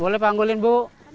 bu boleh panggulin bu